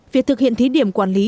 việc thực hiện thí điểm quản lý